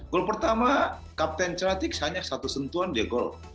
gol pertama kapten tratik hanya satu sentuhan dia gol